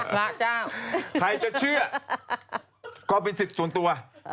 ใครจะเชื่อก็เป็นสิทธิ์ส่วนตัว